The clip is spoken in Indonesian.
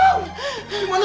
undi bangun undi